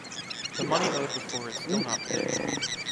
The money owed before is still not paid